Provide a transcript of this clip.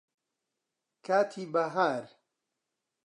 کاتی بەهار